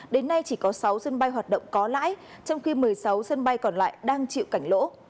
đến nay chỉ có sáu sân bay hoạt động có lãi trong khi một mươi sáu sân bay còn lại đang chịu cảnh lỗ